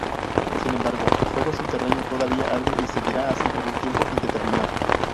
Sin embargo, el fuego subterráneo todavía arde y seguirá así por un tiempo indeterminado.